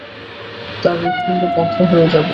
তার হৃদপিন্ড বন্ধ হয়ে যাবে।